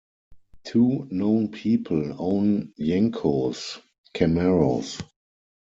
Two known people own Yenko's Camaros.